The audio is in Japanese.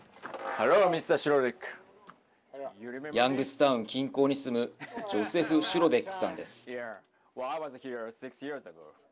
ヤングスタウン近郊に住むジョセフ・シュロデックさんです。